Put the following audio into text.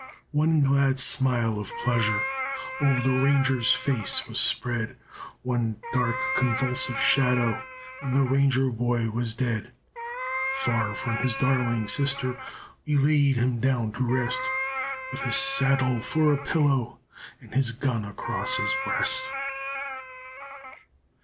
One glad smile of pleasure O'er the ranger's face was spread; One dark, convulsive shadow, And the ranger boy was dead. Far from his darling sister We laid him down to rest With his saddle for a pillow And his gun across his breast.